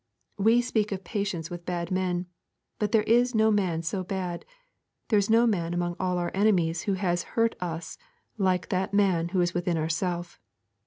We speak of patience with bad men, but there is no man so bad, there is no man among all our enemies who has at all hurt us like that man who is within ourselves.